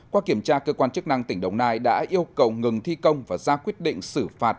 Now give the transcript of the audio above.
qua kiểm tra cơ quan chức năng tỉnh đồng nai đã yêu cầu ngừng thi công và ra quyết định xử phạt